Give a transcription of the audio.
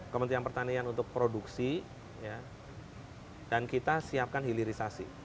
kementerian pertanian untuk produksi dan kita siapkan hilirisasi